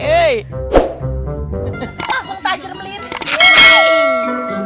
masang tajer melirik